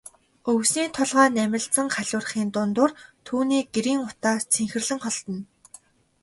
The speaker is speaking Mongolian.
Өвсний толгой намилзан халиурахын дундуур түүний гэрийн утаа цэнхэрлэн холдоно.